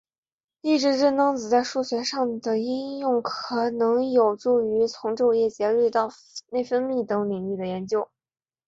抑制震荡子在数学上的应用可能有助于从昼夜节律到内分泌等领域的研究。